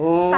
oh gitu ya